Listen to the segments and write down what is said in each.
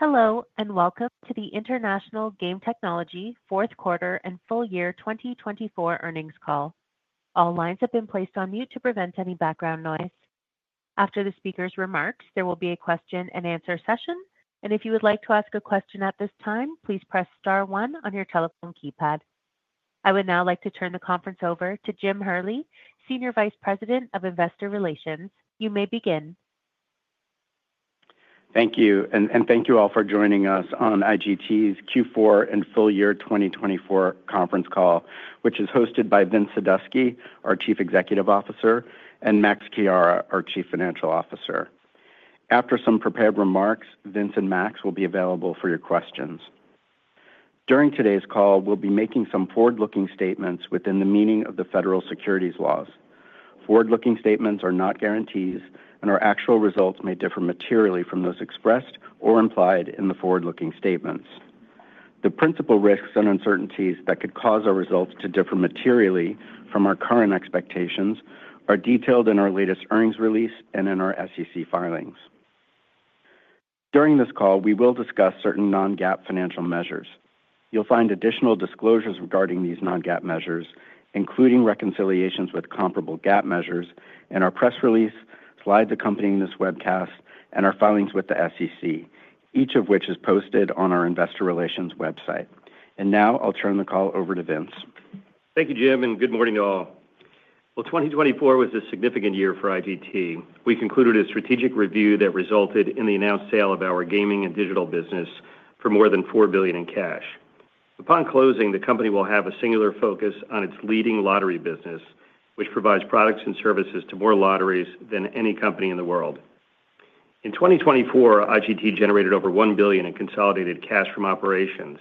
Hello, and welcome to the International Game Technology Q4 and Full Year 2024 Earnings Call. All lines have been placed on mute to prevent any background noise. After the speaker's remarks, there will be a question-and-answer session, and if you would like to ask a question at this time, please press star one on your telephone keypad. I would now like to turn the conference over to Jim Hurley, Senior Vice President of Investor Relations. You may begin Thank you, and thank you all for joining us on IGT's Q4 and Full Year 2024 Conference Call, which is hosted by Vince Sadusky, our Chief Executive Officer, and Max Chiara, our Chief Financial Officer. After some prepared remarks, Vincent and Max will be available for your questions. During today's Call, we'll be making some forward-looking statements within the meaning of the federal securities laws. Forward-looking statements are not guarantees, and our actual results may differ materially from those expressed or implied in the forward-looking statements. The principal risks and uncertainties that could cause our results to differ materially from our current expectations are detailed in our latest earnings release and in our SEC filings. During this call, we will discuss certain non-GAAP financial measures. You'll find additional disclosures regarding these non-GAAP measures, including reconciliations with comparable GAAP measures, and our press release slides accompanying this webcast, and our filings with the SEC, each of which is posted on our Investor Relations website. And now I'll turn the call over to Vince. Thank you, Jim, and good morning, all. 2024 was a significant year for IGT. We concluded a strategic review that resulted in the announced sale of our Gaming and Digital business for more than $4 billion in cash. Upon closing, the company will have a singular focus on its leading lottery business, which provides products and services to more lotteries than any company in the world. In 2024, IGT generated over $1 billion in consolidated cash from operations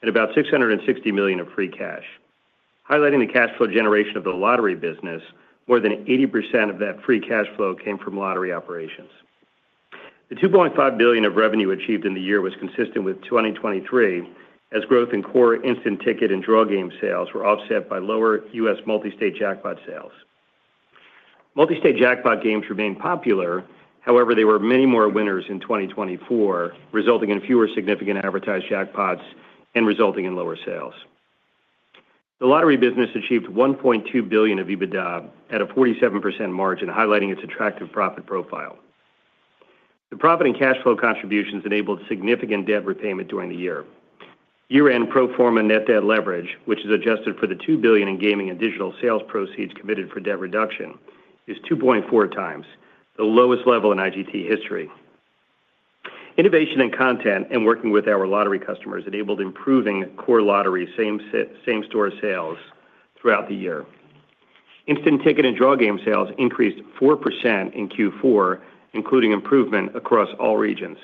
and about $660 million of free cash. Highlighting the cash flow generation of the lottery business, more than 80% of that free cash flow came from lottery operations. The $2.5 billion of revenue achieved in the year was consistent with 2023, as growth in core instant ticket and draw game sales were offset by lower US multi-state jackpot sales. Multi-state jackpot games remained popular. However, there were many more winners in 2024, resulting in fewer significant advertised jackpots and resulting in lower sales. The lottery business achieved $1.2 billion of EBITDA at a 47% margin, highlighting its attractive profit profile. The profit and cash flow contributions enabled significant debt repayment during the year. Year-end pro forma net debt leverage, which is adjusted for the $2 billion in Gaming and Digital sales proceeds committed for debt reduction, is 2.4x the lowest level in IGT history. Innovation in content and working with our lottery customers enabled improving core lottery same-store sales throughout the year. Instant ticket and draw game sales increased 4% in Q4, including improvement across all regions.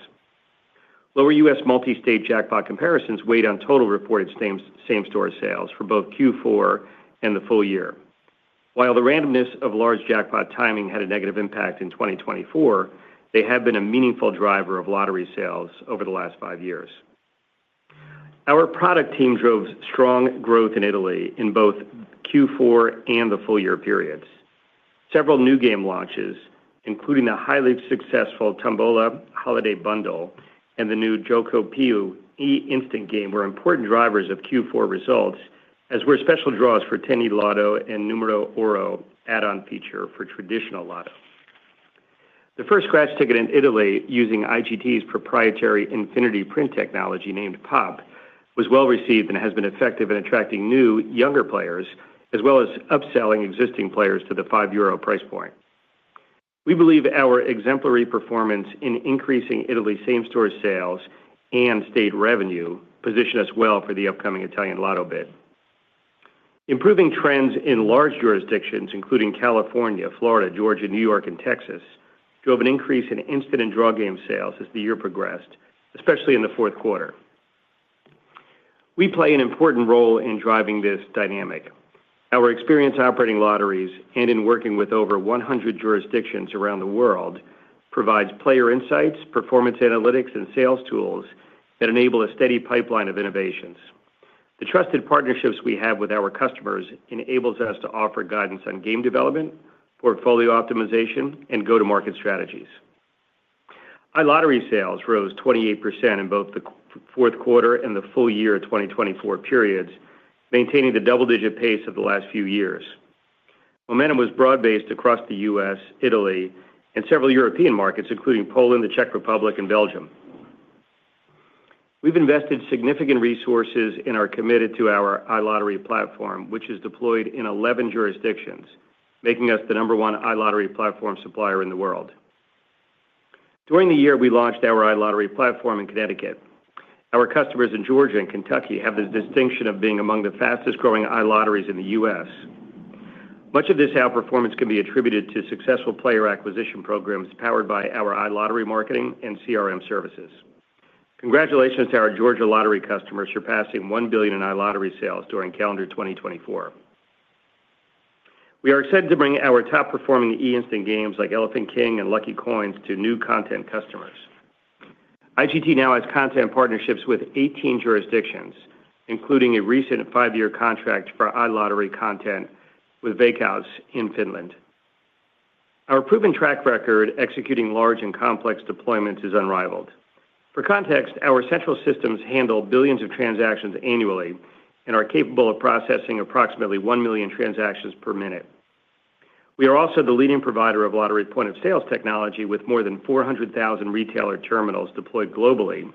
Lower US multi-state jackpot comparisons weighed on total reported same-store sales for both Q4 and the full year. While the randomness of large jackpot timing had a negative impact in 2024, they have been a meaningful driver of lottery sales over the last 5 years. Our product team drove strong growth in Italy in both Q4 and the full year periods. Several new game launches, including the highly successful Tombola Holiday Bundle and the new Giocopiù eInstant game, were important drivers of Q4 results, as were special draws for 10eLotto and Numero Oro add-on feature for traditional lotto. The first scratch ticket in Italy using IGT's proprietary Infinity Instants named POP was well received and has been effective in attracting new, younger players, as well as upselling existing players to the €5 price point. We believe our exemplary performance in increasing Italy's same-store sales and state revenue positioned us well for the upcoming Italian Lotto bid. Improving trends in large jurisdictions, including California, Florida, Georgia, New York, and Texas, drove an increase in instant and draw game sales as the year progressed, especially in the Q4. We play an important role in driving this dynamic. Our experience operating lotteries and in working with over 100 jurisdictions around the world provides player insights, performance analytics, and sales tools that enable a steady pipeline of innovations. The trusted partnerships we have with our customers enable us to offer guidance on game development, portfolio optimization, and go-to-market strategies. Our lottery sales rose 28% in both the Q4 and the full year 2024 periods, maintaining the double-digit pace of the last few years. Momentum was broad-based across the US, Italy, and several European markets, including Poland, the Czech Republic, and Belgium. We've invested significant resources and are committed to our iLottery platform, which is deployed in 11 jurisdictions, making us the number one iLottery platform supplier in the world. During the year, we launched our iLottery platform in Connecticut. Our customers in Georgia and Kentucky have the distinction of being among the fastest-growing iLotteries in the US. Much of this outperformance can be attributed to successful player acquisition programs powered by our iLottery marketing and CRM services. Congratulations to our Georgia lottery customers, surpassing $1 billion in iLottery sales during calendar 2024. We are excited to bring our top-performing e-instant games like Elephant King and Lucky Coin to new content customers. IGT now has content partnerships with 18 jurisdictions, including a recent 5-year contract for iLottery content with Veikkaus in Finland. Our proven track record executing large and complex deployments is unrivaled. For context, our central systems handle billions of transactions annually and are capable of processing approximately one million transactions per minute. We are also the leading provider of lottery point-of-sale technology with more than 400,000 retailer terminals deployed globally,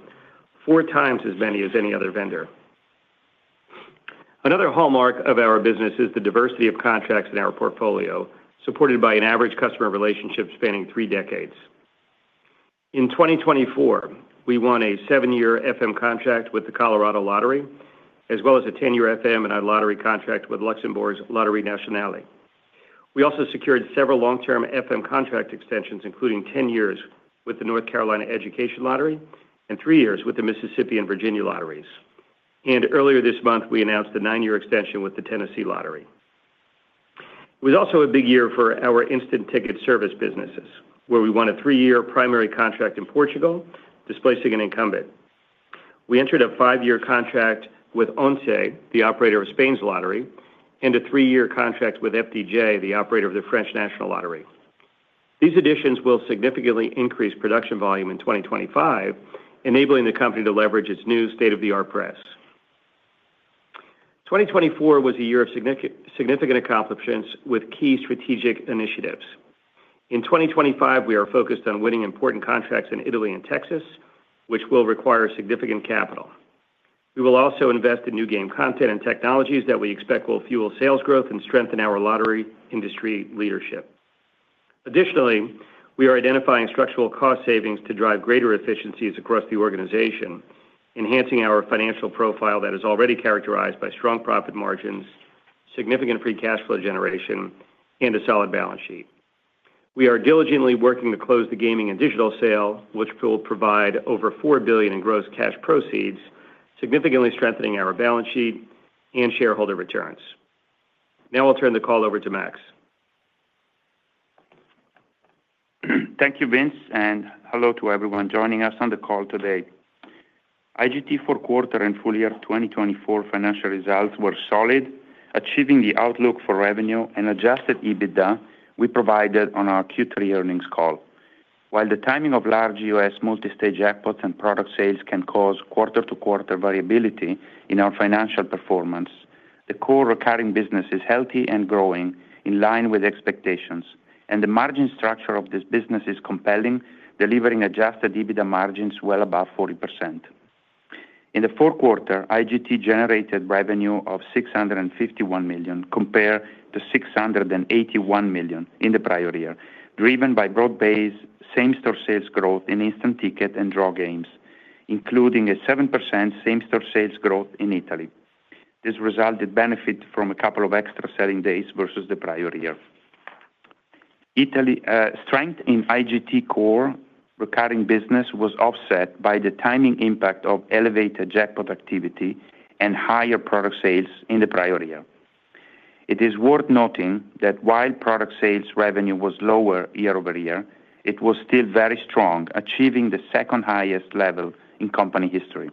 four as many as any other vendor. Another hallmark of our business is the diversity of contracts in our portfolio, supported by an average customer relationship spanning three decades. In 2024, we won a seven-year FM contract with the Colorado Lottery, as well as a 10-year FM and iLottery contract with Luxembourg's Loterie Nationale. We also secured several long-term FM contract extensions, including 10 years with the North Carolina Education Lottery and three years with the Mississippi and Virginia Lotteries, and earlier this month, we announced a nine-year extension with the Tennessee Lottery. It was also a big year for our instant ticket service businesses, where we won a three-year primary contract in Portugal, displacing an incumbent. We entered a 5-year contract with ONCE, the operator of Spain's lottery, and a three-year contract with FDJ, the operator of the French National Lottery. These additions will significantly increase production volume in 2025, enabling the company to leverage its new state-of-the-art press. 2024 was a year of significant accomplishments with key strategic initiatives. In 2025, we are focused on winning important contracts in Italy and Texas, which will require significant capital. We will also invest in new game content and technologies that we expect will fuel sales growth and strengthen our lottery industry leadership. Additionally, we are identifying structural cost savings to drive greater efficiencies across the organization, enhancing our financial profile that is already characterized by strong profit margins, significant free cash flow generation, and a solid balance sheet. We are diligently working to close the Gaming and Digital sale, which will provide over $4 billion in gross cash proceeds, significantly strengthening our balance sheet and shareholder returns. Now I'll turn the call over to Max. Thank you, Vince, and hello to everyone joining us on the call today. IGT's Q4 and full year 2024 financial results were solid, achieving the outlook for revenue and adjusted EBITDA we provided on our Q3 earnings call. While the timing of large US multi-state jackpots and product sales can cause quarter-to-quarter variability in our financial performance, the core recurring business is healthy and growing in line with expectations, and the margin structure of this business is compelling, delivering adjusted EBITDA margins well above 40%. In the Q4, IGT generated revenue of $651 million compared to $681 million in the prior year, driven by broad-based same-store sales growth in instant ticket and draw games, including a 7% same-store sales growth in Italy. This resulted in a benefit from a couple of extra selling days versus the prior year. Strength in IGT's core recurring business was offset by the timing impact of elevated jackpot activity and higher product sales in the prior year. It is worth noting that while product sales revenue was lower year over year, it was still very strong, achieving the second-highest level in company history.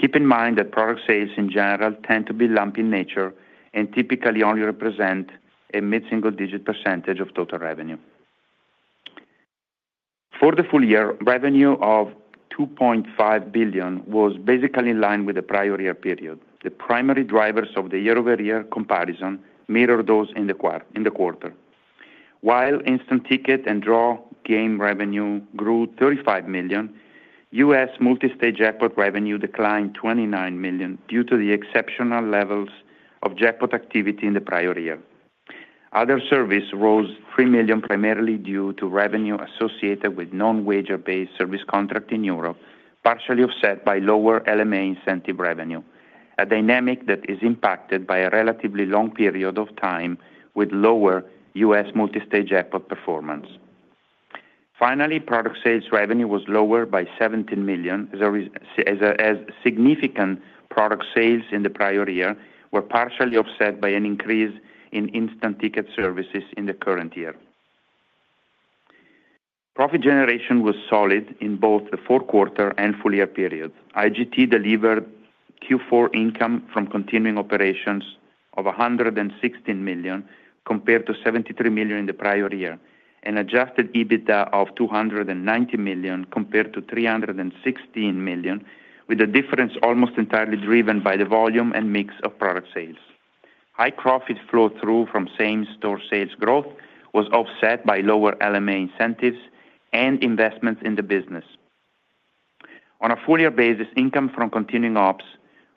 Keep in mind that product sales in general tend to be lumpy in nature and typically only represent a mid-single-digit % of total revenue. For the full year, revenue of $2.5 billion was basically in line with the prior year period. The primary drivers of the year-over-year comparison mirror those in the quarter. While instant ticket and draw game revenue grew $35 million, US multi-state jackpot revenue declined $29 million due to the exceptional levels of jackpot activity in the prior year. Other service rose $3 million primarily due to revenue associated with non-wager-based service contract in Europe, partially offset by lower LMA incentive revenue, a dynamic that is impacted by a relatively long period of time with lower US multi-state jackpot performance. Finally, product sales revenue was lower by $17 million, as significant product sales in the prior year were partially offset by an increase in instant ticket services in the current year. Profit generation was solid in both the Q4 and full year period. IGT delivered Q4 income from continuing operations of $116 million compared to $73 million in the prior year, and Adjusted EBITDA of $290 million compared to $316 million, with a difference almost entirely driven by the volume and mix of product sales. High profit flow through from same-store sales growth was offset by lower LMA incentives and investments in the business. On a full year basis, income from continuing ops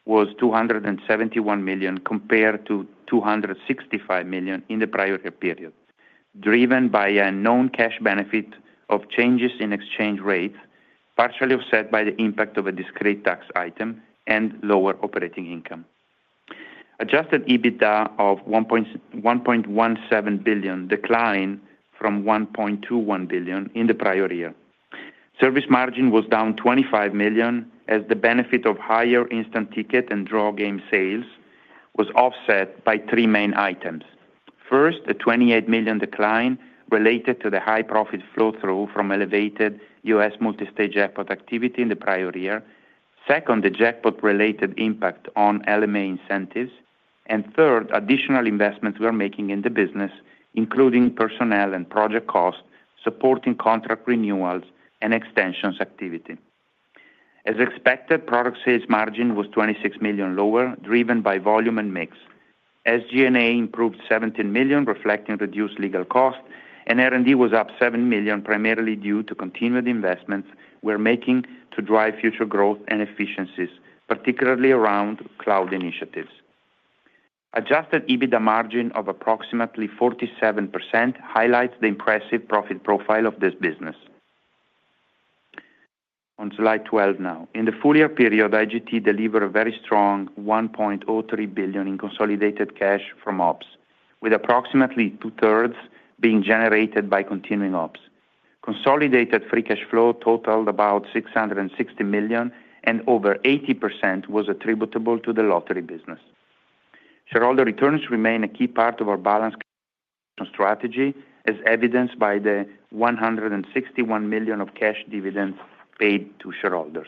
was $271 million compared to $265 million in the prior year period, driven by a known cash benefit of changes in exchange rates, partially offset by the impact of a discrete tax item and lower operating income. Adjusted EBITDA of $1.17 billion declined from $1.21 billion in the prior year. Service margin was down $25 million, as the benefit of higher instant ticket and draw game sales was offset by three main items. First, a $28 million decline related to the high profit flow through from elevated US multi-state jackpot activity in the prior year. Second, the jackpot-related impact on LMA incentives, and third, additional investments we are making in the business, including personnel and project costs supporting contract renewals and extensions activity. As expected, product sales margin was $26 million lower, driven by volume and mix. SG&A improved $17 million, reflecting reduced legal costs, and R&D was up $7 million, primarily due to continued investments we are making to drive future growth and efficiencies, particularly around cloud initiatives. Adjusted EBITDA margin of approximately 47% highlights the impressive profit profile of this business. On slide 12 now, in the full year period, IGT delivered a very strong $1.03 billion in consolidated cash from ops, with approximately two-thirds being generated by continuing ops. Consolidated free cash flow totaled about $660 million, and over 80% was attributable to the lottery business. Shareholder returns remain a key part of our balance strategy, as evidenced by the $161 million of cash dividends paid to shareholders.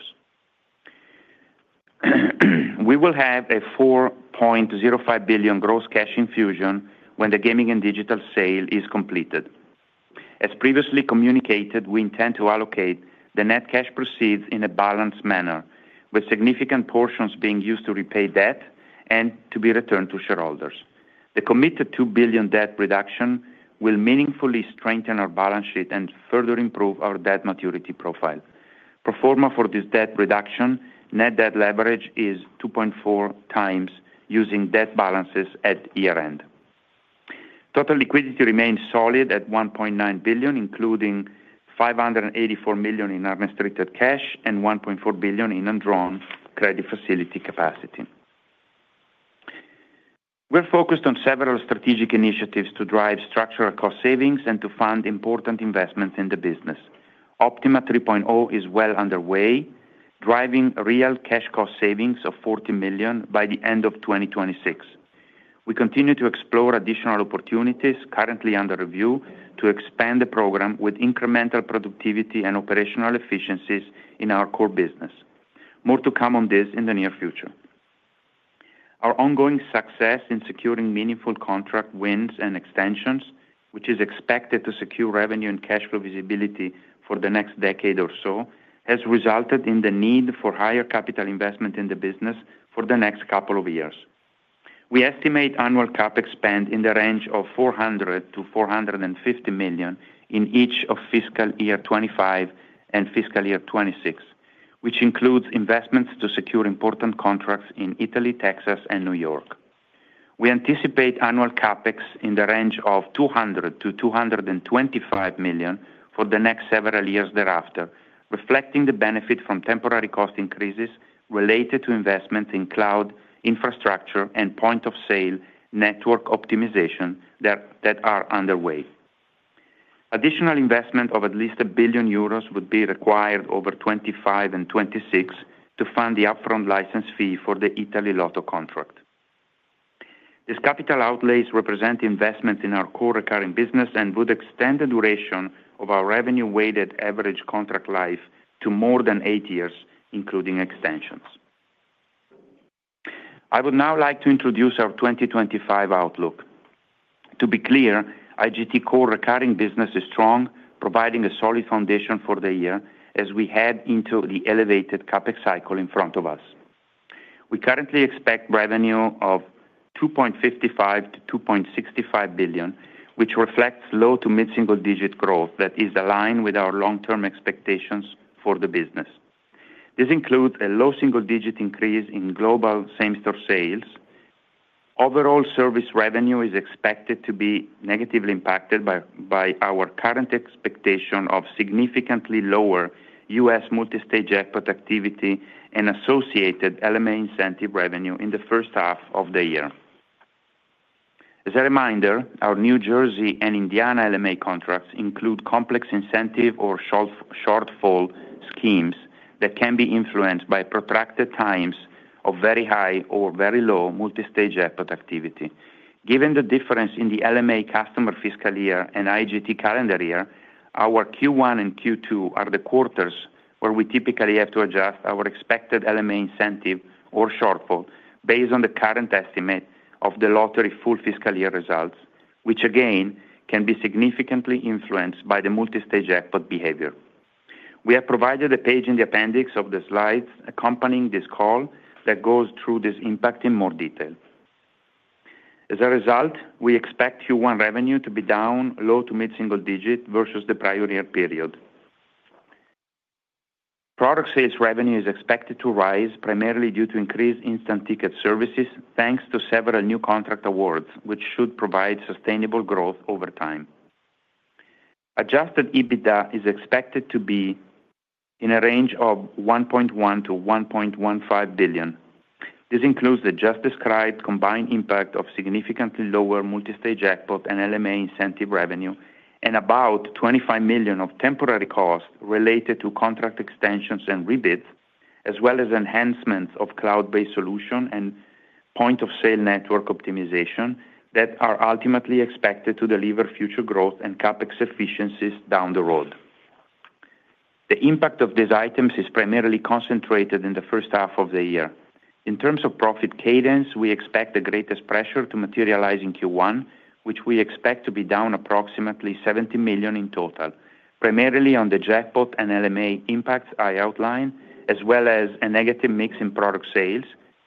We will have a $4.05 billion gross cash infusion when the Gaming and Digital sale is completed. As previously communicated, we intend to allocate the net cash proceeds in a balanced manner, with significant portions being used to repay debt and to be returned to shareholders. The committed $2 billion debt reduction will meaningfully strengthen our balance sheet and further improve our debt maturity profile. Pro forma for this debt reduction, net debt leverage is 2.4x using debt balances at year-end. Total liquidity remains solid at $1.9 billion, including $584 million in unrestricted cash and $1.4 billion in undrawn credit facility capacity. We're focused on several strategic initiatives to drive structural cost savings and to fund important investments in the business. OPTIma 3.0 is well underway, driving real cash cost savings of $40 million by the end of 2026. We continue to explore additional opportunities currently under review to expand the program with incremental productivity and operational efficiencies in our core business. More to come on this in the near future. Our ongoing success in securing meaningful contract wins and extensions, which is expected to secure revenue and cash flow visibility for the next decade or so, has resulted in the need for higher capital investment in the business for the next couple of years. We estimate annual CapEx spend in the range of $400-$450 million in each of fiscal year 2025 and fiscal year 2026, which includes investments to secure important contracts in Italy, Texas, and New York. We anticipate annual CapEx in the range of $200-$225 million for the next several years thereafter, reflecting the benefit from temporary cost increases related to investments in cloud infrastructure and point-of-sale network optimization that are underway. Additional investment of at least 1 billion euros would be required over 2025 and 2026 to fund the upfront license fee for the Italian Lotto contract. These capital outlays represent investments in our core recurring business and would extend the duration of our revenue-weighted average contract life to more than eight years, including extensions. I would now like to introduce our 2025 outlook. To be clear, IGT's core recurring business is strong, providing a solid foundation for the year as we head into the elevated CapEx cycle in front of us. We currently expect revenue of $2.55-$2.65 billion, which reflects low to mid-single-digit growth that is aligned with our long-term expectations for the business. This includes a low single-digit increase in global same-store sales. Overall service revenue is expected to be negatively impacted by our current expectation of significantly lower US. Multi-state jackpot activity and associated LMA incentive revenue in the first half of the year. As a reminder, our New Jersey and Indiana LMA contracts include complex incentive or shortfall schemes that can be influenced by protracted times of very high or very low multi-state jackpot activity. Given the difference in the LMA customer fiscal year and IGT calendar year, our Q1 and Q2 are the quarters where we typically have to adjust our expected LMA incentive or shortfall based on the current estimate of the lottery full fiscal year results, which again can be significantly influenced by the multi-state jackpot behavior. We have provided a page in the appendix of the slides accompanying this call that goes through this impact in more detail. As a result, we expect Q1 revenue to be down low to mid-single digit versus the prior year period. Product sales revenue is expected to rise primarily due to increased instant ticket services, thanks to several new contract awards, which should provide sustainable growth over time. Adjusted EBITDA is expected to be in a range of $1.1-$1.15 billion. This includes the just described combined impact of significantly lower multi-state jackpot and LMA incentive revenue, and about $25 million of temporary costs related to contract extensions and rebids, as well as enhancements of cloud-based solution and point-of-sale network optimization that are ultimately expected to deliver future growth and CapEx efficiencies down the road. The impact of these items is primarily concentrated in the first half of the year. In terms of profit cadence, we expect the greatest pressure to materialize in Q1, which we expect to be down approximately $70 million in total, primarily on the jackpot and LMA impacts I outlined, as well as a negative mix in product sales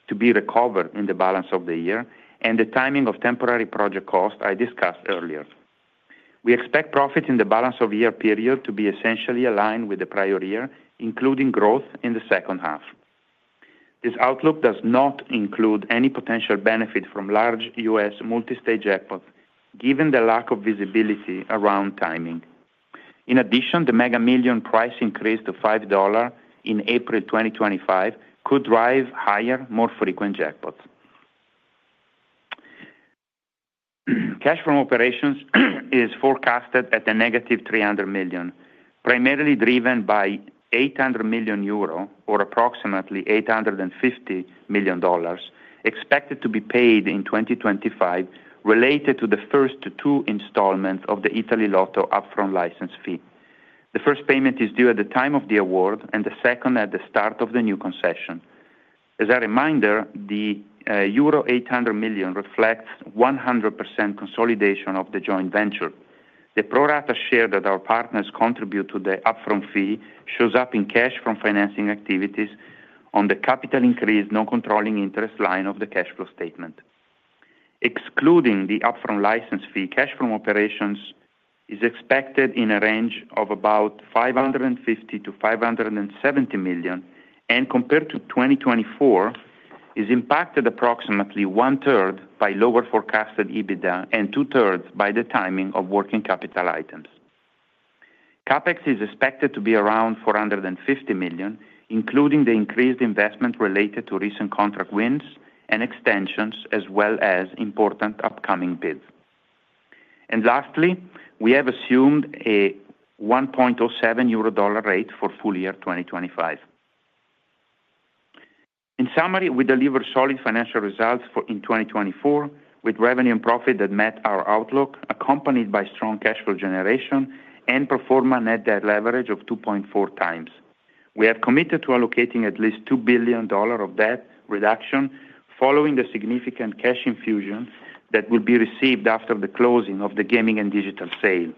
to be recovered in the balance of the year and the timing of temporary project costs I discussed earlier. We expect profit in the balance of year period to be essentially aligned with the prior year, including growth in the second half. This outlook does not include any potential benefit from large US multi-state jackpots, given the lack of visibility around timing. In addition, the Mega Millions price increase to $5 in April 2025 could drive higher, more frequent jackpots. Cash from operations is forecasted at a negative $300 million, primarily driven by 800 million euro or approximately $850 million dollars expected to be paid in 2025, related to the first two installments of the Italy Lotto upfront license fee. The first payment is due at the time of the award and the second at the start of the new concession. As a reminder, the €800 million reflects 100% consolidation of the joint venture. The pro rata share that our partners contribute to the upfront fee shows up in cash from financing activities on the capital increase non-controlling interest line of the cash flow statement. Excluding the upfront license fee, cash from operations is expected in a range of about $550-$570 million, and compared to 2024, is impacted approximately one-third by lower forecasted EBITDA and two-thirds by the timing of working capital items. CapEx is expected to be around $450 million, including the increased investment related to recent contract wins and extensions, as well as important upcoming bids. And lastly, we have assumed a 1.07 Euro Dollar rate for full year 2025. In summary, we deliver solid financial results in 2024, with revenue and profit that met our outlook, accompanied by strong cash flow generation and pro forma net debt leverage of 2.4x. We have committed to allocating at least $2 billion of debt reduction following the significant cash infusion that will be received after the closing of the Gaming and Digital sale.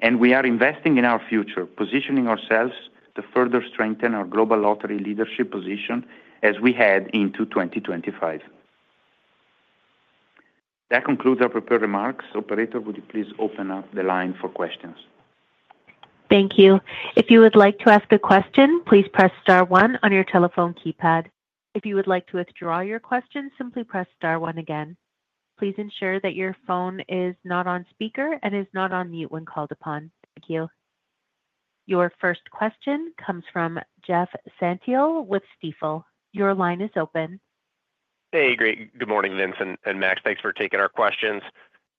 And we are investing in our future, positioning ourselves to further strengthen our global lottery leadership position as we head into 2025. That concludes our prepared remarks. Operator, would you please open up the line for questions? Thank you. If you would like to ask a question, please press star one on your telephone keypad. If you would like to withdraw your question, simply press star one again. Please ensure that your phone is not on speaker and is not on mute when called upon. Thank you. Your first question comes from Jeff Stantial with Stifel. Your line is open. Hey, great. Good morning, Vincent and Max. Thanks for taking our questions.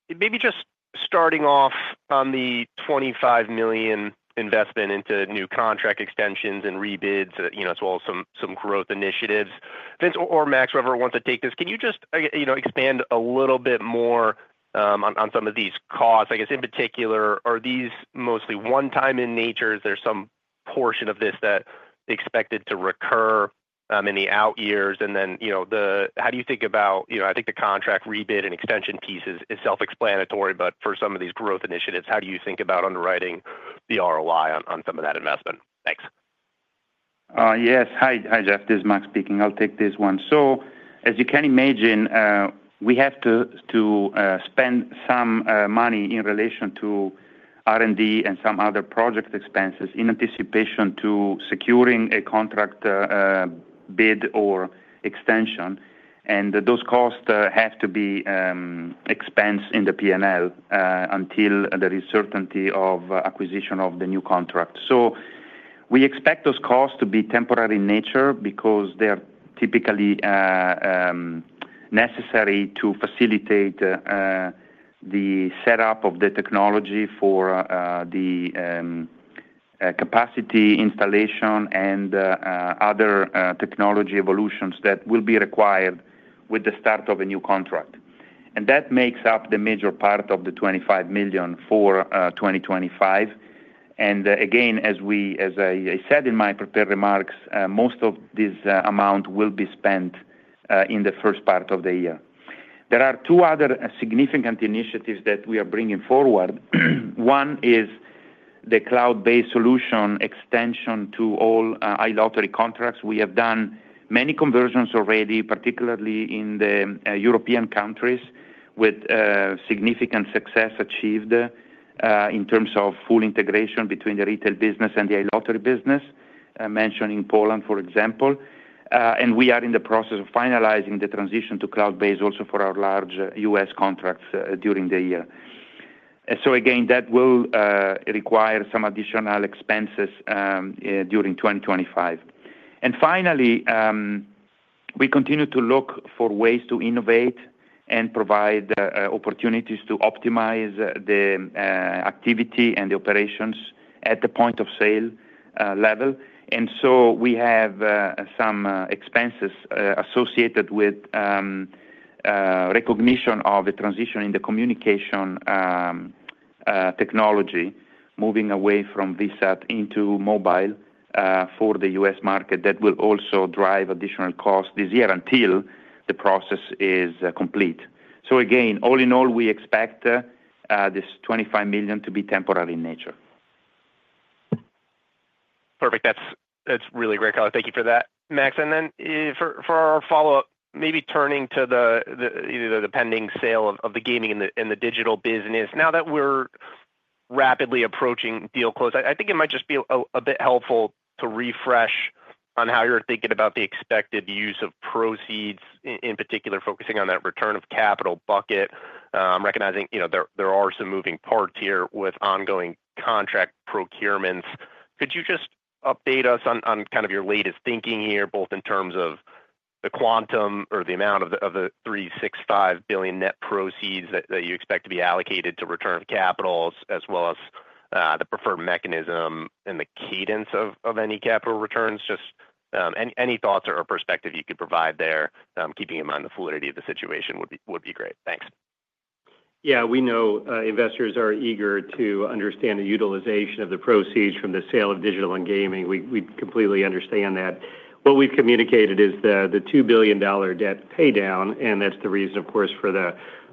Maybe just starting off on the $25 million investment into new contract extensions and rebids, as well as some growth initiatives. Vincent or Max, whoever wants to take this, can you just expand a little bit more on some of these costs? I guess, in particular, are these mostly 1x in nature? Is there some portion of this that is expected to recur in the out years? And then how do you think about, I think, the contract rebid and extension piece is self-explanatory, but for some of these growth initiatives, how do you think about underwriting the ROI on some of that investment? Thanks. Yes. Hi, Jeff. This is Max speaking. I'll take this one. So, as you can imagine, we have to spend some money in relation to R&D and some other project expenses in anticipation to securing a contract bid or extension. And those costs have to be expensed in the P&L until there is certainty of acquisition of the new contract. So, we expect those costs to be temporary in nature because they are typically necessary to facilitate the setup of the technology for the capacity installation and other technology evolutions that will be required with the start of a new contract. That makes up the major part of the $25 million for 2025. Again, as I said in my prepared remarks, most of this amount will be spent in the first part of the year. There are two other significant initiatives that we are bringing forward. One is the cloud-based solution extension to all iLottery contracts. We have done many conversions already, particularly in the European countries, with significant success achieved in terms of full integration between the retail business and the iLottery business, mentioning Poland, for example. We are in the process of finalizing the transition to cloud-based also for our large US contracts during the year. Again, that will require some additional expenses during 2025. Finally, we continue to look for ways to innovate and provide opportunities to optimize the activity and the operations at the point-of-sale level. And so, we have some expenses associated with recognition of the transition in the communication technology, moving away from VSAT into mobile for the U.S. market that will also drive additional costs this year until the process is complete. So, again, all in all, we expect this $25 million to be temporary in nature. Perfect. That's really great, Chiara. Thank you for that. Max. And then for our follow-up, maybe turning to the pending sale of the gaming and the digital business. Now that we're rapidly approaching deal close, I think it might just be a bit helpful to refresh on how you're thinking about the expected use of proceeds, in particular, focusing on that return of capital bucket, recognizing there are some moving parts here with ongoing contract procurements. Could you just update us on kind of your latest thinking here, both in terms of the quantum or the amount of the $365 billion net proceeds that you expect to be allocated to return of capital, as well as the preferred mechanism and the cadence of any capital returns? Just any thoughts or perspective you could provide there, keeping in mind the fluidity of the situation would be great. Thanks. Yeah, we know investors are eager to understand the utilization of the proceeds from the sale of digital and gaming. We completely understand that. What we've communicated is the $2 billion debt paydown, and that's the reason, of course, for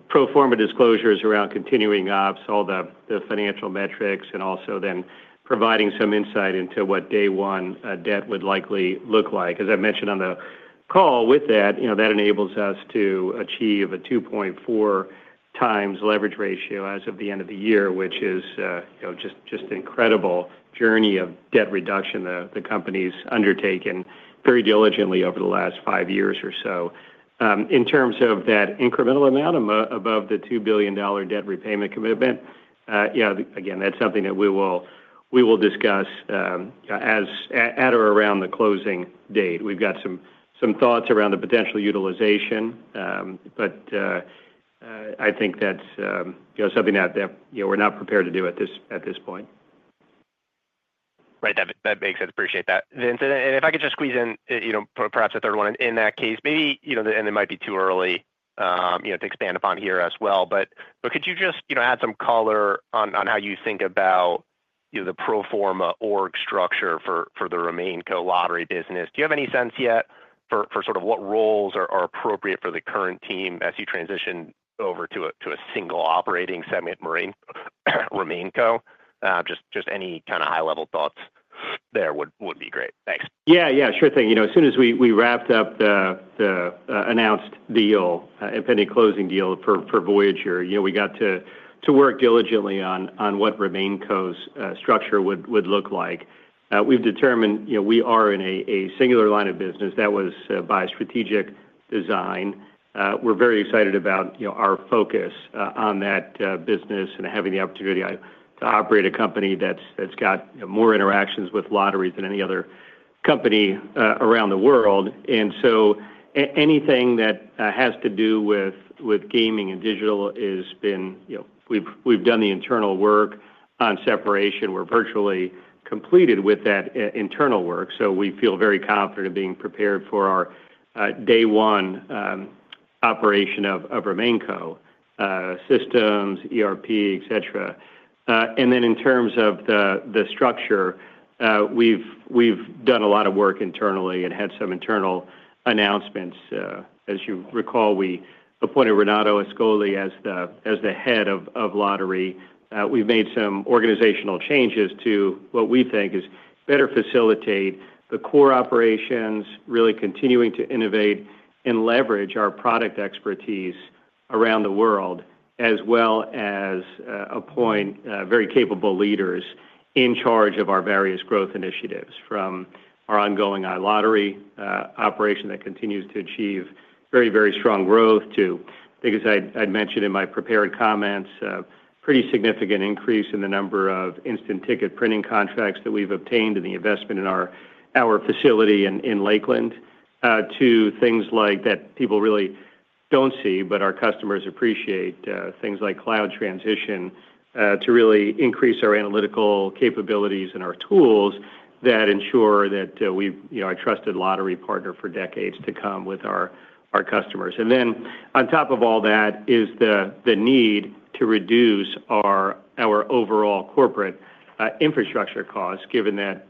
the pro forma disclosures around continuing ops, all the financial metrics, and also then providing some insight into what day one debt would likely look like. As I mentioned on the call, with that, that enables us to achieve a 2.4x leverage ratio as of the end of the year, which is just an incredible journey of debt reduction the company's undertaken very diligently over the last 5 years or so. In terms of that incremental amount above the $2 billion debt repayment commitment, yeah, again, that's something that we will discuss at or around the closing date. We've got some thoughts around the potential utilization, but I think that's something that we're not prepared to do at this point. Right. That makes sense. Appreciate that. Vincent, and if I could just squeeze in perhaps a third one in that case, maybe, and it might be too early to expand upon here as well, but could you just add some color on how you think about the pro forma org structure for the RemainCo Lottery business? Do you have any sense yet for sort of what roles are appropriate for the current team as you transition over to a single operating segment, the RemainCo? Just any kind of high-level thoughts there would be great. Thanks. Yeah, yeah. Sure thing. As soon as we wrapped up the announced deal, impending closing deal for Voyager, we got to work diligently on what RemainCo's structure would look like. We've determined we are in a singular line of business that was by strategic design. We're very excited about our focus on that business and having the opportunity to operate a company that's got more interactions with lotteries than any other company around the world. And so, anything that has to do with Gaming and Digital has been. We've done the internal work on separation. We're virtually completed with that internal work. So, we feel very confident of being prepared for our day one operation of RemainCo systems, ERP, etc. And then, in terms of the structure, we've done a lot of work internally and had some internal announcements. As you recall, we appointed Renato Ascoli as the head of lottery. We've made some organizational changes to what we think is better facilitate the core operations, really continuing to innovate and leverage our product expertise around the world, as well as appoint very capable leaders in charge of our various growth initiatives, from our ongoing iLottery operation that continues to achieve very, very strong growth to, I think, as I mentioned in my prepared comments, a pretty significant increase in the number of instant ticket printing contracts that we've obtained and the investment in our facility in Lakeland to things like that people really don't see, but our customers appreciate, things like cloud transition to really increase our analytical capabilities and our tools that ensure that we've, a trusted lottery partner for decades to come with our customers. And then, on top of all that, is the need to reduce our overall corporate infrastructure costs, given that,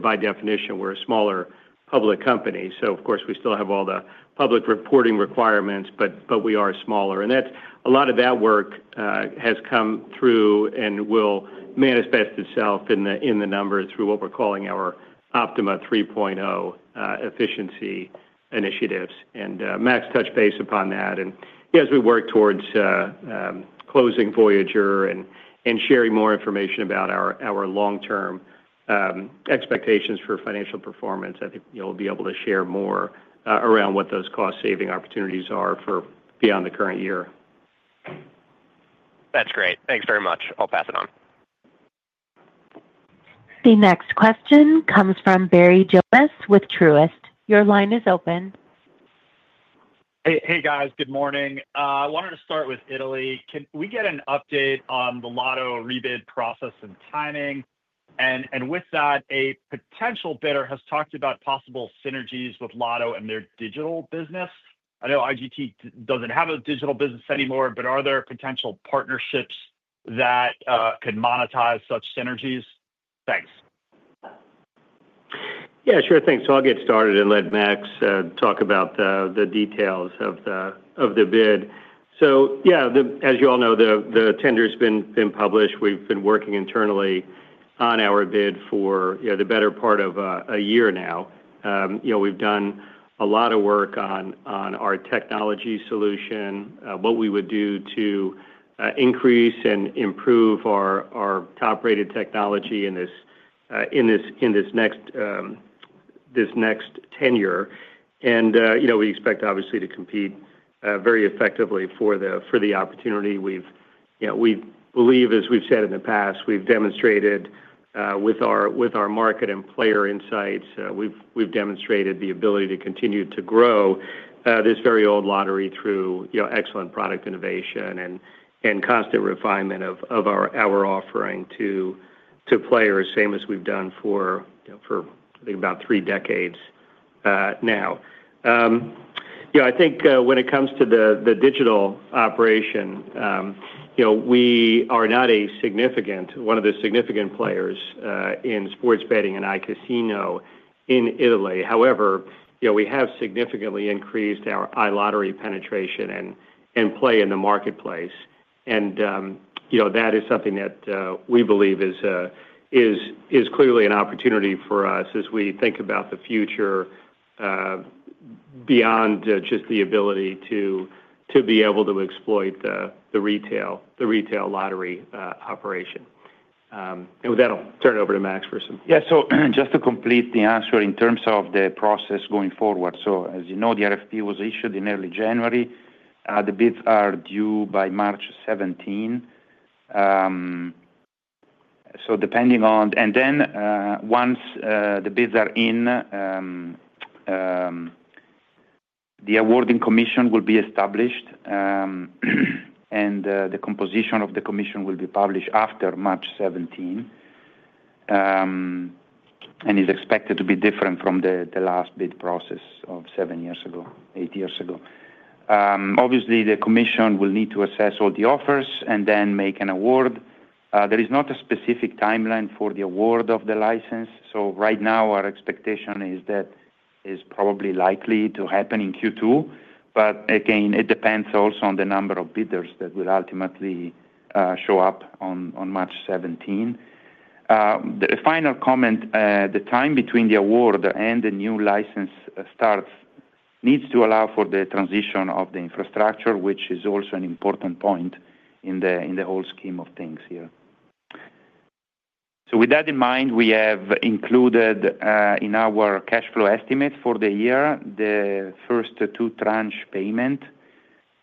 by definition, we're a smaller public company. So, of course, we still have all the public reporting requirements, but we are smaller. And a lot of that work has come through and will manifest itself in the numbers through what we're calling our OPTIma 3.0 efficiency initiatives. And Max touched base upon that. And as we work towards closing Voyager and sharing more information about our long-term expectations for financial performance, I think we'll be able to share more around what those cost-saving opportunities are for beyond the current year. That's great. Thanks very much. I'll pass it on. The next question comes from Barry Jonas with Truist. Your line is open. Hey, guys. Good morning. I wanted to start with Italy. Can we get an update on the Lotto rebid process and timing? With that, a potential bidder has talked about possible synergies with Lotto and their digital business. I know IGT doesn't have a digital business anymore, but are there potential partnerships that could monetize such synergies? Thanks. Yeah, sure. Thanks. I'll get started and let Max talk about the details of the bid. Yeah, as you all know, the tender has been published. We've been working internally on our bid for the better part of a year now. We've done a lot of work on our technology solution, what we would do to increase and improve our top-rated technology in this next tenure. We expect, obviously, to compete very effectively for the opportunity. We believe, as we've said in the past, we've demonstrated with our market and player insights, we've demonstrated the ability to continue to grow this very old lottery through excellent product innovation and constant refinement of our offering to players, same as we've done for, I think, about three decades now. I think when it comes to the digital operation, we are not one of the significant players in sports betting and iCasino in Italy. However, we have significantly increased our iLottery penetration and play in the marketplace, and that is something that we believe is clearly an opportunity for us as we think about the future beyond just the ability to be able to exploit the retail lottery operation, and with that, I'll turn it over to Max for some. Yeah. So, just to complete the answer in terms of the process going forward. So, as you know, the RFP was issued in early January. The bids are due by March 17. So, depending on and then, once the bids are in, the awarding commission will be established, and the composition of the commission will be published after March 17. And it's expected to be different from the last bid process of seven years ago, eight years ago. Obviously, the commission will need to assess all the offers and then make an award. There is not a specific timeline for the award of the license. So, right now, our expectation is that it is probably likely to happen in Q2. But again, it depends also on the number of bidders that will ultimately show up on March 17th. The final comment: the time between the award and the new license starts needs to allow for the transition of the infrastructure, which is also an important point in the whole scheme of things here. So, with that in mind, we have included in our cash flow estimate for the year the first two tranche payment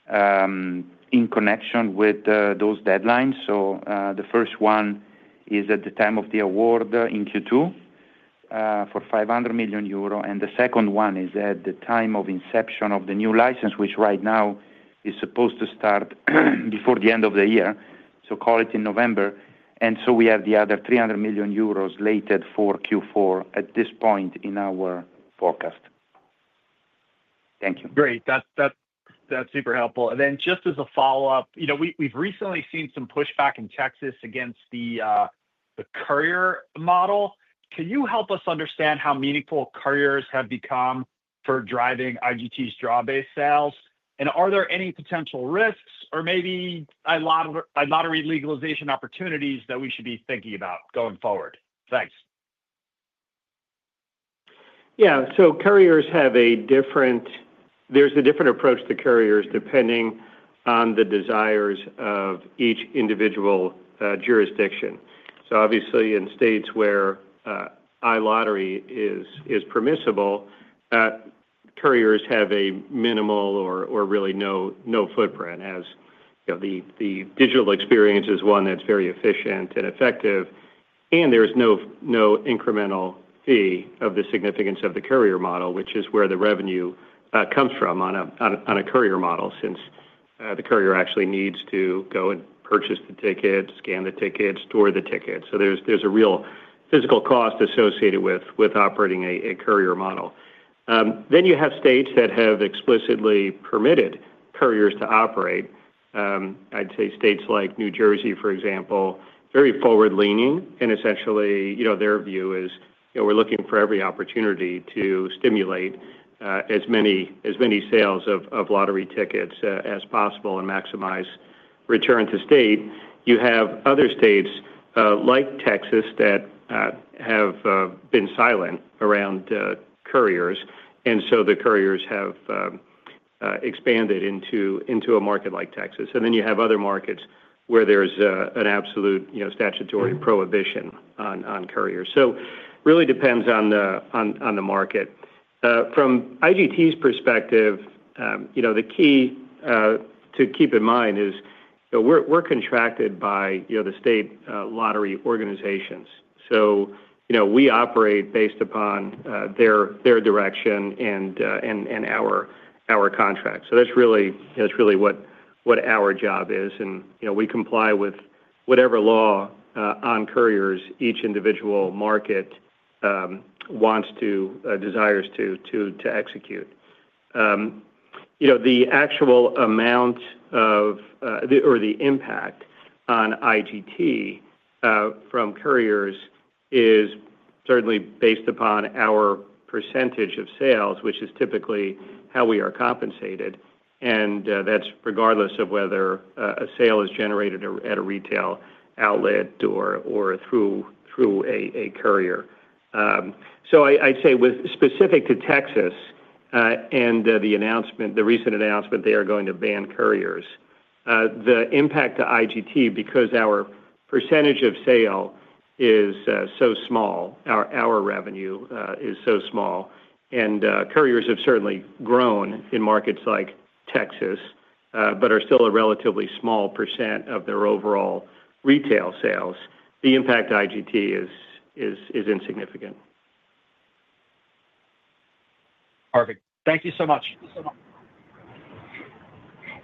in connection with those deadlines. So, the first one is at the time of the award in Q2 for 500 million euro. And the second one is at the time of inception of the new license, which right now is supposed to start before the end of the year, so call it in November. And so, we have the other 300 million euros slated for Q4 at this point in our forecast. Thank you. Great. That's super helpful. And then, just as a follow-up, we've recently seen some pushback in Texas against the courier model. Can you help us understand how meaningful couriers have become for driving IGT's draw-based sales? and are there any potential risks or maybe a lottery legalization opportunities that we should be thinking about going forward? Thanks. Yeah. So, couriers have a different. There's a different approach to couriers depending on the desires of each individual jurisdiction. So, obviously, in states where iLottery is permissible, couriers have a minimal or really no footprint, as the digital experience is one that's very efficient and effective. And there's no incremental fee of the significance of the courier model, which is where the revenue comes from on a courier model, since the courier actually needs to go and purchase the ticket, scan the ticket, store the ticket. So, there's a real physical cost associated with operating a courier model. Then you have states that have explicitly permitted couriers to operate. I'd say states like New Jersey, for example, very forward-leaning, and essentially, their view is we're looking for every opportunity to stimulate as many sales of lottery tickets as possible and maximize return to state. You have other states like Texas that have been silent around couriers, and so the couriers have expanded into a market like Texas, and then you have other markets where there's an absolute statutory prohibition on couriers, so really depends on the market. From IGT's perspective, the key to keep in mind is we're contracted by the state lottery organizations, so we operate based upon their direction and our contract, so that's really what our job is, and we comply with whatever law on couriers each individual market wants to, desires to execute. The actual amount of, or the impact on IGT from couriers is certainly based upon our percentage of sales, which is typically how we are compensated. And that's regardless of whether a sale is generated at a retail outlet or through a courier. So, I'd say specific to Texas and the recent announcement they are going to ban couriers, the impact to IGT, because our percentage of sale is so small, our revenue is so small, and couriers have certainly grown in markets like Texas, but are still a relatively small percent of their overall retail sales, the impact to IGT is insignificant. Perfect. Thank you so much.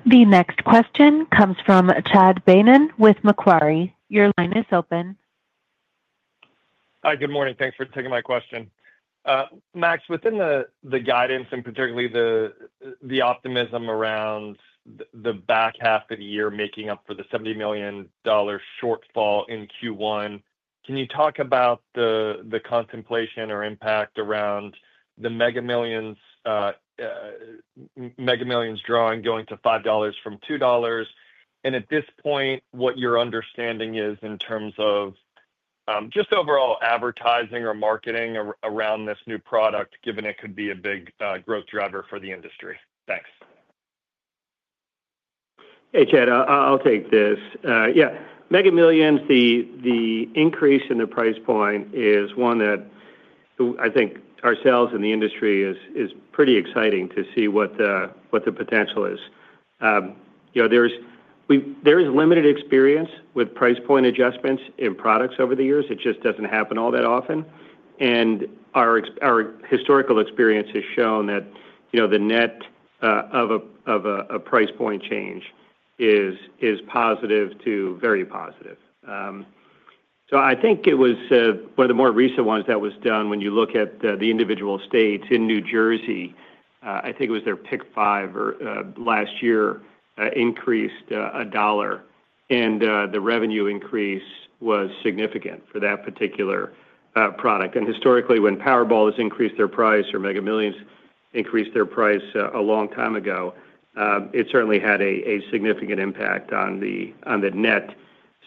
The next question comes from Chad Beynon with Macquarie. Your line is open. Hi, good morning. Thanks for taking my question. Max, within the guidance and particularly the optimism around the back half of the year making up for the $70 million shortfall in Q1, can you talk about the contemplation or impact around the Mega Millions drawing going to $5 from $2? And at this point, what your understanding is in terms of just overall advertising or marketing around this new product, given it could be a big growth driver for the industry? Thanks. Hey, Chad, I'll take this. Yeah. Mega Millions, the increase in the price point is one that I think ourselves in the industry is pretty exciting to see what the potential is. There is limited experience with price point adjustments in products over the years. It just doesn't happen all that often. And our historical experience has shown that the net of a price point change is positive to very positive. So, I think it was one of the more recent ones that was done when you look at the individual states in New Jersey. I think it was their Pick 5 last year increased a dollar. And the revenue increase was significant for that particular product. And historically, when Powerball has increased their price or Mega Millions increased their price a long time ago, it certainly had a significant impact on the net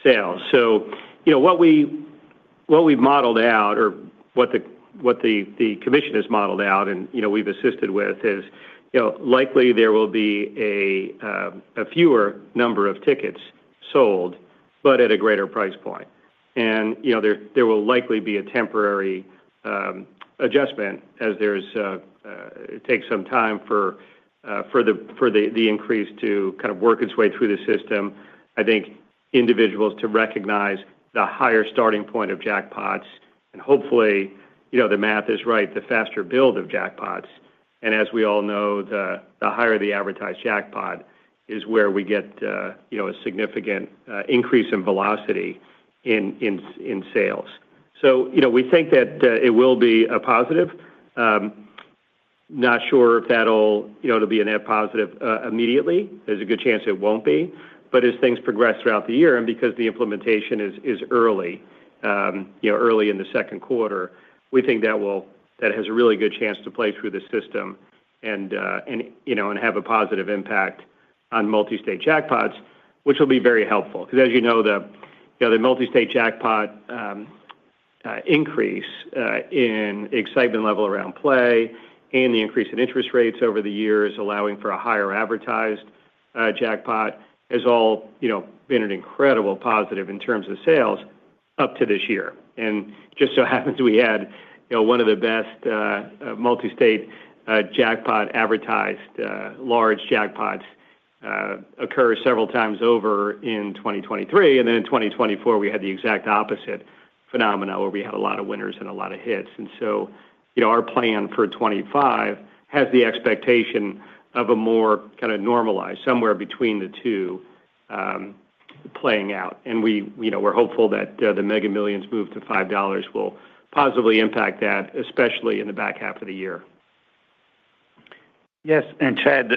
sales. So, what we've modeled out or what the commission has modeled out and we've assisted with is likely there will be a fewer number of tickets sold, but at a greater price point. And there will likely be a temporary adjustment as it takes some time for the increase to kind of work its way through the system. I think individuals to recognize the higher starting point of jackpots. And hopefully, the math is right, the faster build of jackpots. And as we all know, the higher the advertised jackpot is where we get a significant increase in velocity in sales. So, we think that it will be a positive. Not sure if that'll be a net positive immediately. There's a good chance it won't be. But as things progress throughout the year and because the implementation is early in the Q2, we think that has a really good chance to play through the system and have a positive impact on multi-state jackpots, which will be very helpful. Because as you know, the multi-state jackpot increase in excitement level around play and the increase in interest rates over the years allowing for a higher advertised jackpot has all been an incredible positive in terms of sales up to this year. And just so happens we had one of the best multi-state jackpot advertised large jackpots occur several times over in 2023. And then in 2024, we had the exact opposite phenomena where we had a lot of winners and a lot of hits. And so, our plan for 2025 has the expectation of a more kind of normalized somewhere between the two playing out. And we're hopeful that the Mega Millions move to $5 will positively impact that, especially in the back half of the year. Yes. And Chad,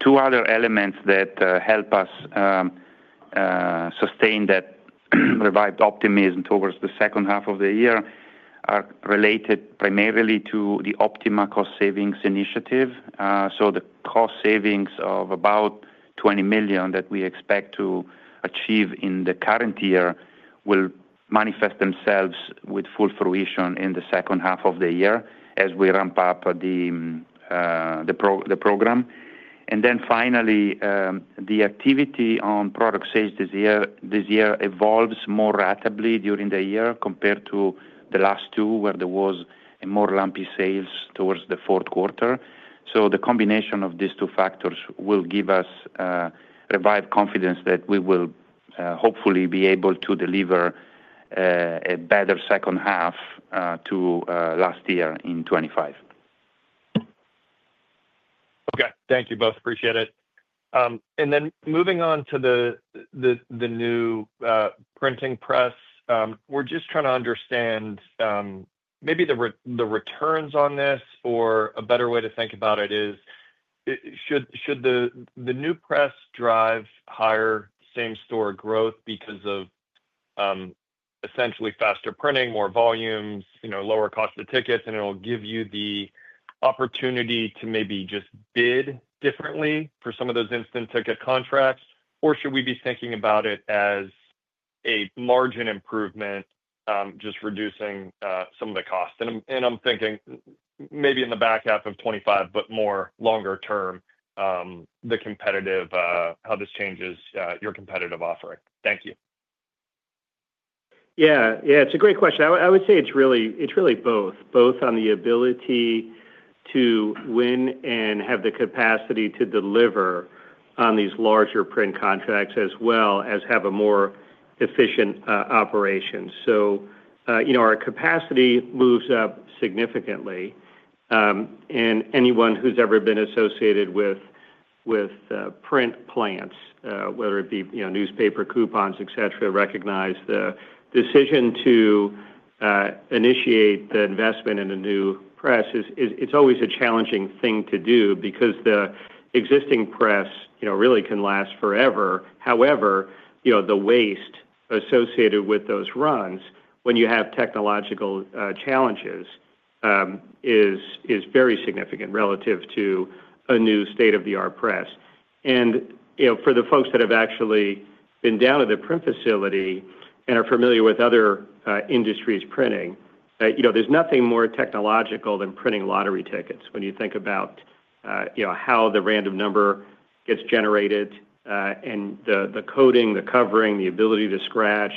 two other elements that help us sustain that revived optimism towards the second half of the year are related primarily to the OPTIma IGT program cost savings initiative. So, the cost savings of about $20 million that we expect to achieve in the current year will manifest themselves with full fruition in the second half of the year as we ramp up the program. And then finally, the activity on product sales this year evolves more rapidly during the year compared to the last two where there was more lumpy sales towards the Q4. So, the combination of these two factors will give us revived confidence that we will hopefully be able to deliver a better second half to last year in 2025. Okay. Thank you both. Appreciate it. And then moving on to the new printing press, we're just trying to understand maybe the returns on this or a better way to think about it is should the new press drive higher same-store growth because of essentially faster printing, more volumes, lower cost of tickets, and it'll give you the opportunity to maybe just bid differently for some of those instant ticket contracts? Or should we be thinking about it as a margin improvement, just reducing some of the cost? And I'm thinking maybe in the back half of 2025, but more longer term, how this changes your competitive offering. Thank you. Yeah. Yeah. It's a great question. I would say it's really both, both on the ability to win and have the capacity to deliver on these larger print contracts as well as have a more efficient operation. So, our capacity moves up significantly. And anyone who's ever been associated with print plants, whether it be newspaper coupons, etc., recognize the decision to initiate the investment in a new press. It's always a challenging thing to do because the existing press really can last forever. However, the waste associated with those runs when you have technological challenges is very significant relative to a new state-of-the-art press. And for the folks that have actually been down at the print facility and are familiar with other industries printing, there's nothing more technological than printing lottery tickets when you think about how the random number gets generated and the coating, the covering, the ability to scratch,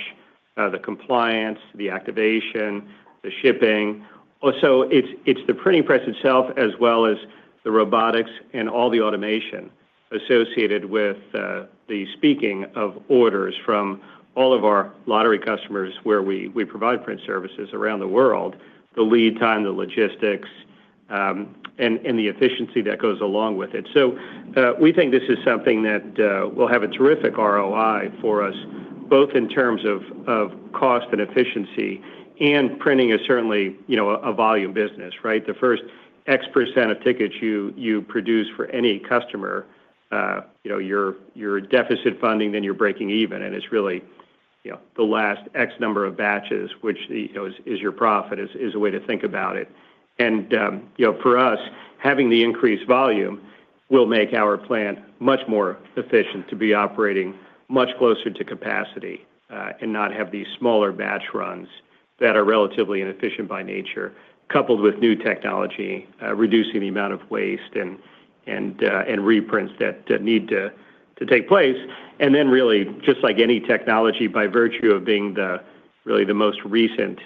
the compliance, the activation, the shipping. It's the printing press itself as well as the robotics and all the automation associated with the taking of orders from all of our lottery customers where we provide print services around the world, the lead time, the logistics, and the efficiency that goes along with it. We think this is something that will have a terrific ROI for us, both in terms of cost and efficiency. Printing is certainly a volume business, right? The first X% of tickets you produce for any customer, you're deficit funding, then you're breaking even. It's really the last X number of batches, which is your profit, is a way to think about it. And for us, having the increased volume will make our plant much more efficient to be operating much closer to capacity and not have these smaller batch runs that are relatively inefficient by nature, coupled with new technology, reducing the amount of waste and reprints that need to take place. And then really, just like any technology, by virtue of being really the most recent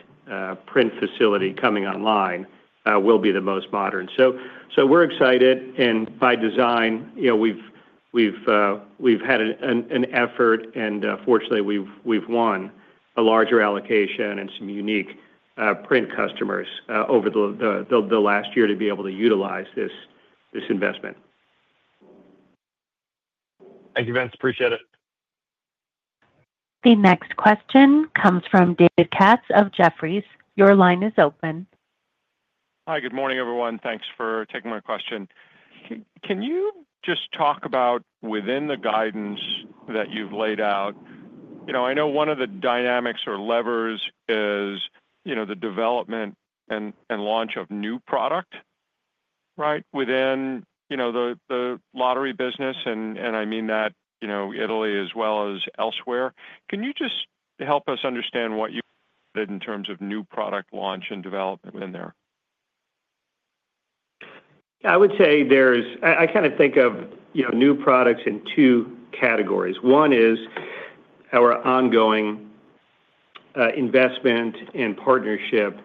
print facility coming online, will be the most modern. So, we're excited. And by design, we've had an effort. And fortunately, we've won a larger allocation and some unique print customers over the last year to be able to utilize this investment. Thank you, Vince. Appreciate it. The next question comes from David Katz of Jefferies. Your line is open. Hi, good morning, everyone. Thanks for taking my question. Can you just talk about within the guidance that you've laid out? I know one of the dynamics or levers is the development and launch of new product, right, within the lottery business. And I mean, in Italy as well as elsewhere. Can you just help us understand what you did in terms of new product launch and development in there? Yeah. I would say there's. I kind of think of new products in two categories. One is our ongoing investment and partnership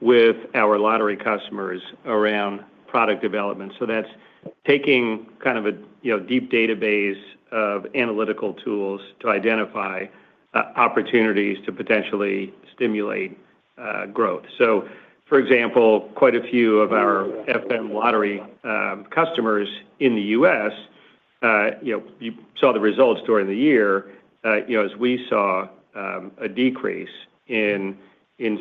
with our lottery customers around product development. So, that's taking kind of a deep database of analytical tools to identify opportunities to potentially stimulate growth. So, for example, quite a few of our FM lottery customers in the US, you saw the results during the year as we saw a decrease in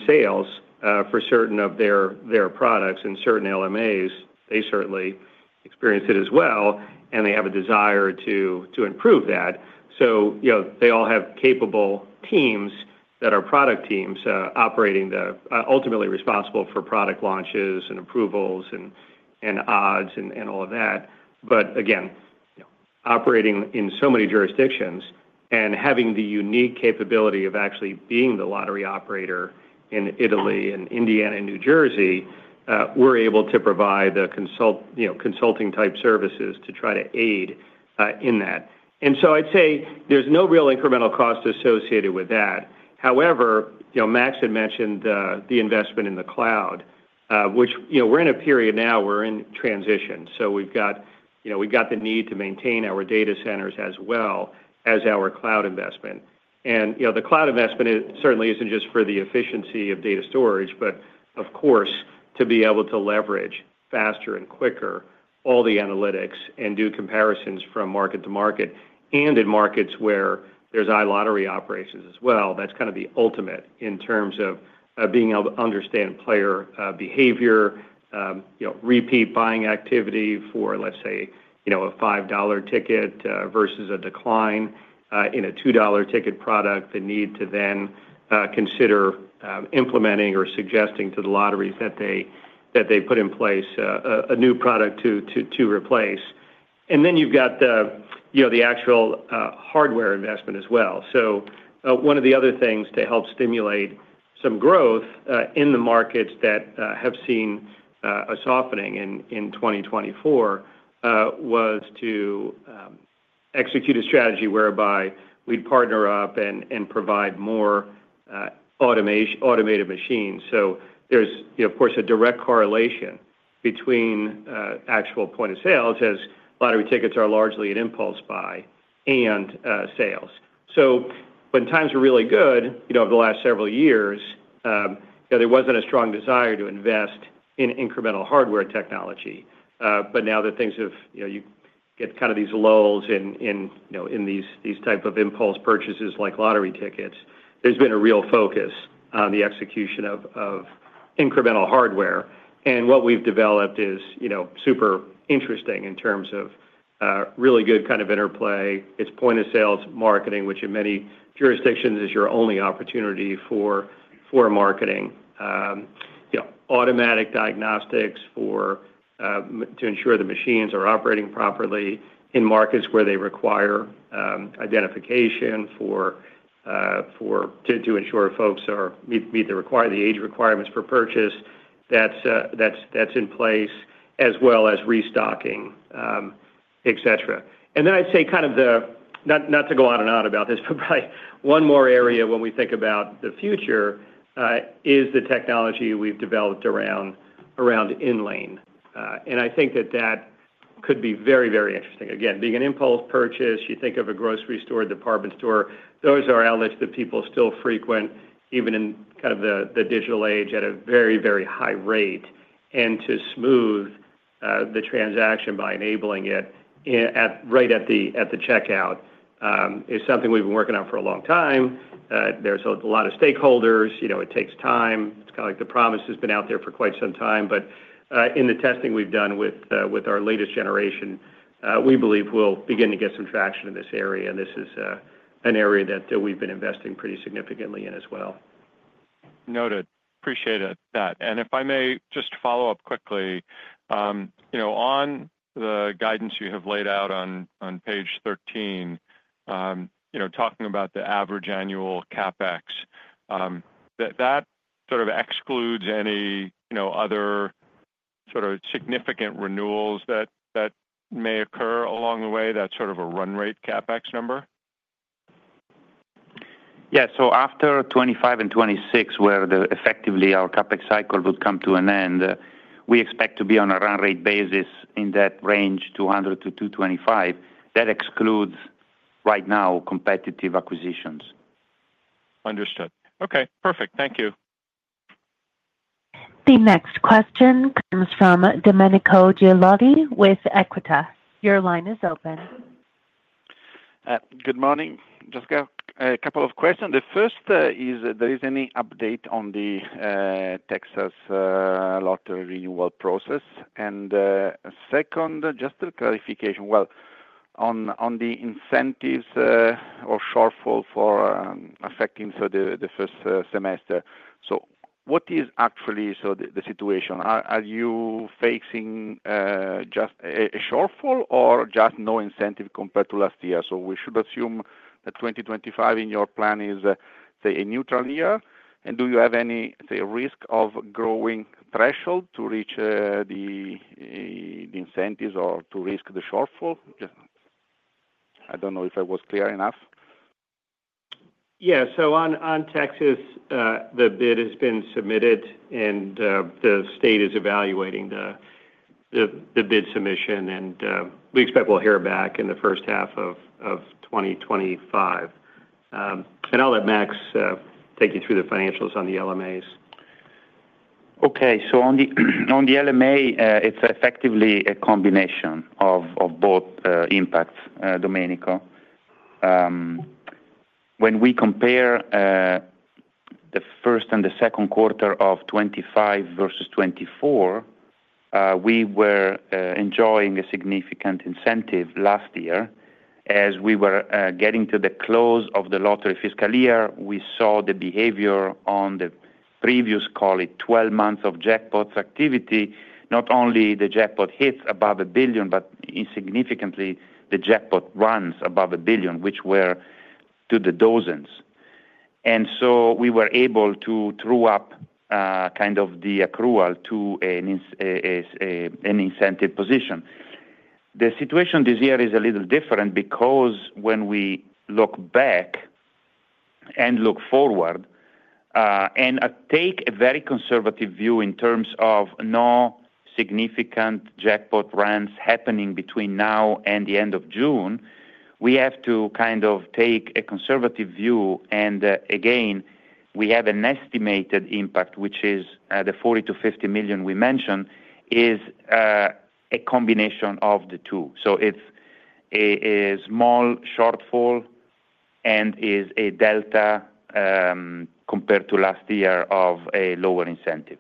sales for certain of their products. And certain LMAs, they certainly experienced it as well. They have a desire to improve that. They all have capable teams that are product teams operating, ultimately responsible for product launches and approvals and odds and all of that. Again, operating in so many jurisdictions and having the unique capability of actually being the lottery operator in Italy and Indiana and New Jersey, we're able to provide the consulting-type services to try to aid in that. I'd say there's no real incremental cost associated with that. However, Max had mentioned the investment in the cloud, which we're in a period now we're in transition. We've got the need to maintain our data centers as well as our cloud investment. The cloud investment certainly isn't just for the efficiency of data storage, but of course, to be able to leverage faster and quicker all the analytics and do comparisons from market to market. In markets where there's iLottery operations as well, that's kind of the ultimate in terms of being able to understand player behavior, repeat buying activity for, let's say, a $5 ticket versus a decline in a $2 ticket product, the need to then consider implementing or suggesting to the lotteries that they put in place a new product to replace. Then you've got the actual hardware investment as well. One of the other things to help stimulate some growth in the markets that have seen a softening in 2024 was to execute a strategy whereby we'd partner up and provide more automated machines. There's, of course, a direct correlation between actual points of sale as lottery tickets are largely an impulse buy and sales. So, when times were really good over the last several years, there wasn't a strong desire to invest in incremental hardware technology. But now that things have, you get, kind of these lulls in these types of impulse purchases like lottery tickets, there's been a real focus on the execution of incremental hardware. And what we've developed is super interesting in terms of really good kind of interplay. It's point-of-sale marketing, which in many jurisdictions is your only opportunity for marketing, automatic diagnostics to ensure the machines are operating properly in markets where they require identification to ensure folks meet the age requirements for purchase. That's in place as well as restocking, etc. And then I'd say kind of, not to go on and on about this, but probably one more area when we think about the future is the technology we've developed around inLane. And I think that that could be very, very interesting. Again, being an impulse purchase, you think of a grocery store, department store, those are outlets that people still frequent even in kind of the digital age at a very, very high rate. And to smooth the transaction by enabling it right at the checkout is something we've been working on for a long time. There's a lot of stakeholders. It takes time. It's kind of like the promise has been out there for quite some time. But in the testing we've done with our latest generation, we believe we'll begin to get some traction in this area. And this is an area that we've been investing pretty significantly in as well. Noted. Appreciate it. And if I may just follow up quickly, on the guidance you have laid out on page 13, talking about the average annual CapEx, that sort of excludes any other sort of significant renewals that may occur along the way, that sort of a run rate CapEx number? Yeah. So, after 2025 and 2026, where effectively our CapEx cycle would come to an end, we expect to be on a run rate basis in that range 200-225. That excludes right now competitive acquisitions. Understood. Okay. Perfect. Thank you. The next question comes from Domenico Ghilotti with Equita. Your line is open. Good morning, Jessica. A couple of questions. The first is, is there any update on the Texas Lottery renewal process? And second, just a clarification. Well, on the incentives or shortfall for affecting the first semester, so what is actually the situation? Are you facing just a shortfall or just no incentive compared to last year, so we should assume that 2025 in your plan is, say, a neutral year, and do you have any risk of growing threshold to reach the incentives or to risk the shortfall? I don't know if I was clear enough. Yeah. So, on Texas, the bid has been submitted, and the state is evaluating the bid submission, and we expect we'll hear back in the first half of 2025. I'll let Max take you through the financials on the LMAs. Okay, so on the LMA, it's effectively a combination of both impacts, Domenico. When we compare the first and the Q2 of 2025 versus 2024, we were enjoying a significant incentive last year. As we were getting to the close of the lottery fiscal year, we saw the behavior on the previous, call it 12 months of jackpot activity. Not only the jackpot hits above a billion, but significantly, the jackpot runs above a billion, which were to the dozens, and so, we were able to true up kind of the accrual to an incentive position. The situation this year is a little different because when we look back and look forward and take a very conservative view in terms of no significant jackpot runs happening between now and the end of June, we have to kind of take a conservative view, and again, we have an estimated impact, which is the $40 million-$50 million we mentioned, is a combination of the two, so, it's a small shortfall and is a delta compared to last year of a lower incentive.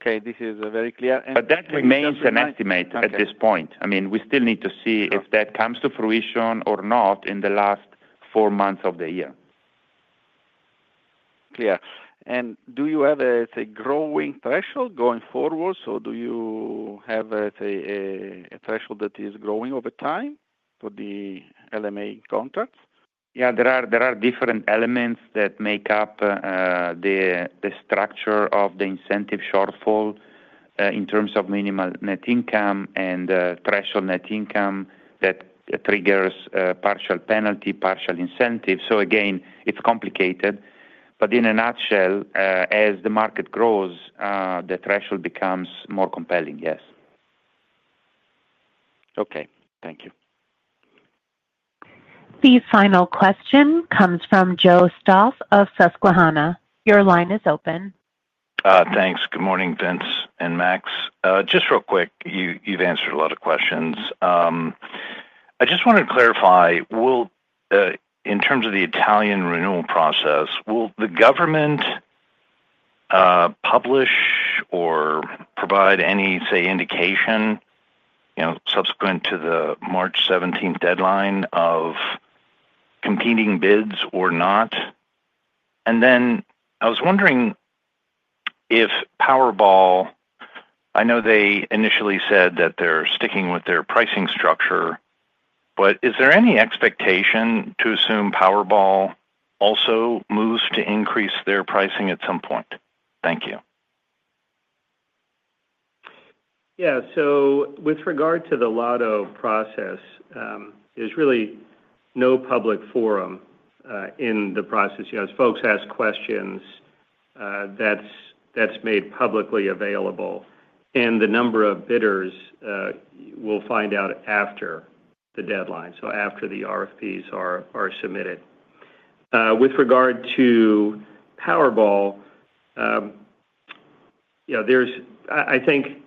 Okay. This is very clear. But that remains an estimate at this point. I mean, we still need to see if that comes to fruition or not in the last four months of the year. Clear. And do you have a growing threshold going forward? So, do you have a threshold that is growing over time for the LMA contracts? Yeah. There are different elements that make up the structure of the incentive shortfall in terms of minimal net income and threshold net income that triggers partial penalty, partial incentive. So, again, it's complicated. But in a nutshell, as the market grows, the threshold becomes more compelling, yes. Okay. Thank you. The final question comes from Joe Stauff of Susquehanna. Your line is open. Thanks. Good morning, Vince and Max. Just real quick, you've answered a lot of questions. I just wanted to clarify, in terms of the Italian renewal process, will the government publish or provide any, say, indication subsequent to the March 17th deadline of competing bids or not? And then I was wondering if Powerball, I know they initially said that they're sticking with their pricing structure, but is there any expectation to assume Powerball also moves to increase their pricing at some point? Thank you. Yeah. So, with regard to the Lotto process, there's really no public forum in the process. You have folks ask questions that's made publicly available. And the number of bidders we'll find out after the deadline, so after the RFPs are submitted. With regard to Powerball, I think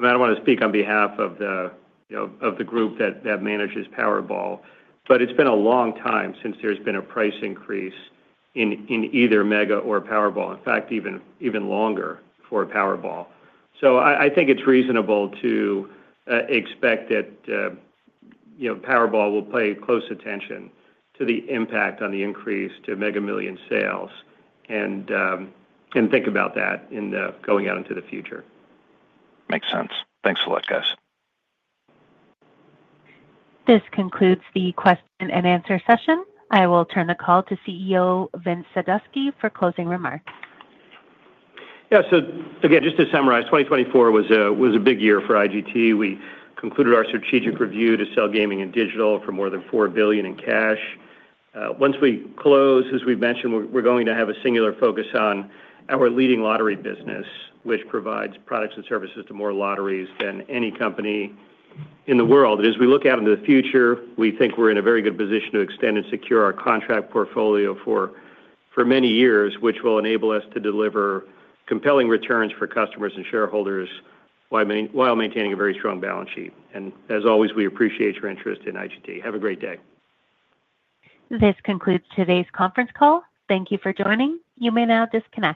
I don't want to speak on behalf of the group that manages Powerball, but it's been a long time since there's been a price increase in either Mega or Powerball. In fact, even longer for Powerball. So, I think it's reasonable to expect that Powerball will pay close attention to the impact on the increase to Mega Millions sales and think about that in going out into the future. Makes sense. Thanks a lot, guys. This concludes the question and answer session. I will turn the call to CEO Vince Sadusky for closing remarks. Yeah. So, again, just to summarize, 2024 was a big year for IGT. We concluded our strategic review to sell Gaming and Digital for more than $4 billion in cash. Once we close, as we've mentioned, we're going to have a singular focus on our leading lottery business, which provides products and services to more lotteries than any company in the world, and as we look out into the future, we think we're in a very good position to extend and secure our contract portfolio for many years, which will enable us to deliver compelling returns for customers and shareholders while maintaining a very strong balance sheet, and as always, we appreciate your interest in IGT. Have a great day. This concludes today's Conference Call. Thank you for joining. You may now disconnect.